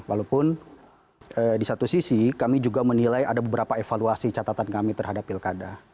walaupun di satu sisi kami juga menilai ada beberapa evaluasi catatan kami terhadap pilkada